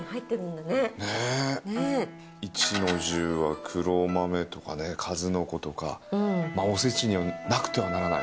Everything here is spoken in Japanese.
壱の重は黒豆とかね数の子とかまぁおせちにはなくてはならない。